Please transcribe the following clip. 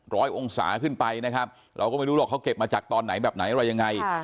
กองศาขึ้นไปนะครับเราก็ไม่รู้หรอกเขาเก็บมาจากตอนไหนแบบไหนอะไรยังไง